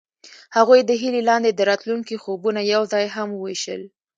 هغوی د هیلې لاندې د راتلونکي خوبونه یوځای هم وویشل.